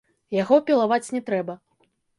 Яго пілаваць не трэба.